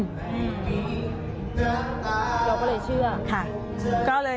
เราก็เลยเชื่อค่ะ